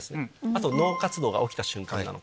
あと脳活動が起きた瞬間なのか。